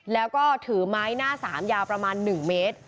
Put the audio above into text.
แล้วก็ถือไม้หน้าสามยาวประมาณ๑เมตร